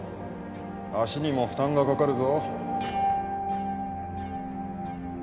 足にも負担がかかるぞ。